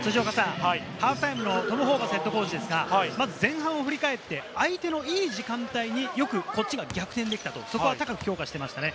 ハーフタイムのトム・ホーバスＨＣですが、まず前半を振り返って、相手のいい時間帯によくこっちが逆転できたと、そこは高く評価していましたね。